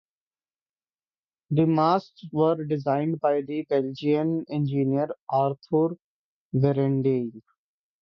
The masts were designed by the Belgian engineer Arthur Vierendeel.